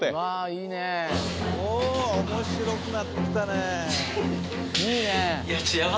お面白くなってきたねいいね